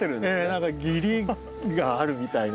何か義理があるみたいな。